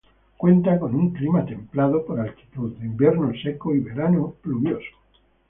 Cuenta con un clima templado por altitud, de invierno seco y verano lluvioso.